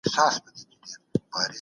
ژوند یوازې خوړل او څښل نه دي.